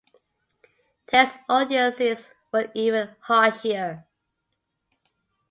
Test audiences were even harsher.